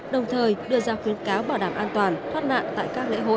đồng thời đưa ra khuyến cáo bảo đảm an toàn thoát nạn tại các lễ hội